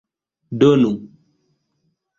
donu